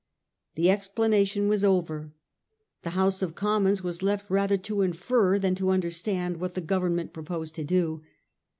The explanation was over. The House of Com mons were left rather to infer than to understand what the G overnment proposed to do.